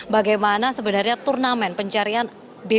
bagaimana sebenarnya turnamen pencarian bidik terbaik